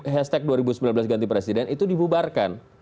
hashtag dua ribu sembilan belas ganti presiden itu dibubarkan